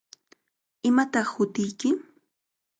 ¿Imataq hutiyki?